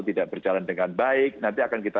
tidak berjalan dengan baik nanti akan kita